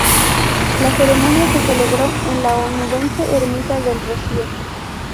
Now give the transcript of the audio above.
La ceremonia se celebró en la onubense ermita de El Rocío.